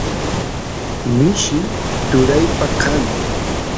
mishi turaypa kan